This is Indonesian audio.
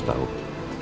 dia harus tau